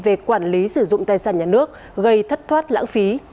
về quản lý sử dụng tài sản nhà nước gây thất thoát lãng phí